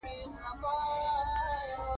نظر د ټولنو ته په مختلفو نمونو نومول شوي.